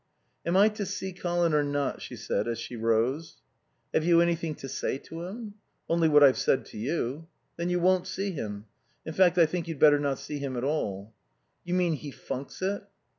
"Am I to see Colin or not?" she said as she rose. "Have you anything to say to him?" "Only what I've said to you." "Then you won't see him. In fact I think you'd better not see him at all." "You mean he funks it?"